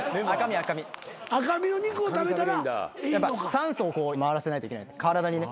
酸素を回らせないといけない体にね。